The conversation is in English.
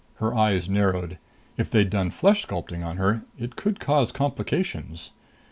Her eyes narrowed. If they'd done flesh sculpting on her, it could cause complications.